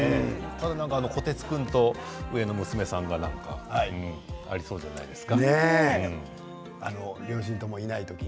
ただ虎鉄君と上の娘さんがありそうじゃないですか。